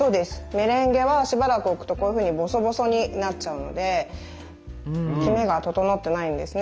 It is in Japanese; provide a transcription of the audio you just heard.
メレンゲはしばらく置くとこういうふうにボソボソになっちゃうのできめが整ってないんですね。